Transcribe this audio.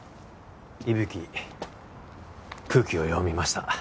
伊吹空気を読みました